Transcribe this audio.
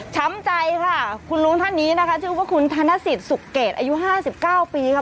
ใจค่ะคุณลุงท่านนี้นะคะชื่อว่าคุณธนสิทธิ์สุขเกตอายุ๕๙ปีค่ะ